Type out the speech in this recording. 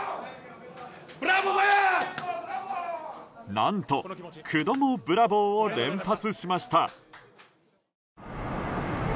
何と９度もブラボーを連発しました。